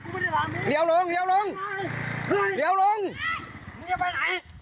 กูไม่ได้ลงที่นู้นน่าลงไหนรียวลงรียวลง